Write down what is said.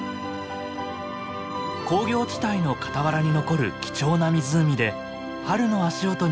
工業地帯の傍らに残る貴重な湖で春の足音に耳を澄ませます。